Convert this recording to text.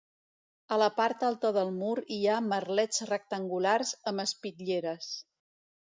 A la part alta del mur hi ha merlets rectangulars amb espitlleres.